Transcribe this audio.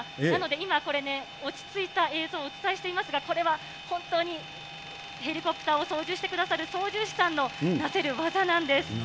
なので今、これね、落ち着いた映像お伝えしていますが、これは本当に、ヘリコプターを操縦してくださる操縦士さんのなせる技なんです。